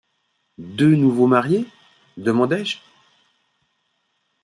Deux nouveaux mariés ? demandai-je.